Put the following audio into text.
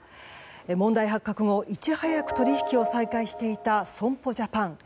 問題発覚後、いち早く取引を再開していた損保ジャパン。